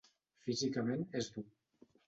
Físicament és dur.